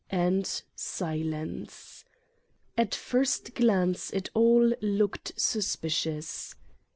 And silence. At first glance it all looked suspicious.